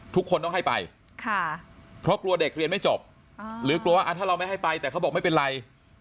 ทุกคนต้องให้ไปเพราะกลัวเด็กเรียนไม่จบหรือกลัวว่าถ้าเราไม่ให้ไปแต่เขาบอกไม่เป็นไร